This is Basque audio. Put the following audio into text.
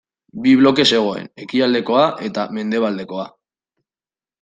Bi bloke zegoen ekialdekoa eta mendebaldekoa.